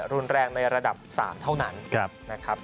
รุนแรงในระดับ๓เท่านั้นนะครับ